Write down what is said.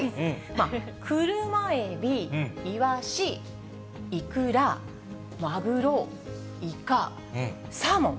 車エビ、イワシ、イクラ、マグロ、イカ、サーモン。